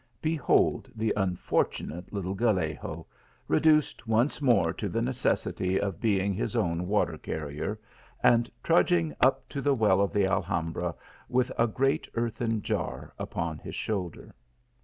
Behold the unfortunate little Gallego reduced once more to the necessity of being his own water carrier, and trudging up to the well of the Alhambra with a great earthen jar upon his shoulder.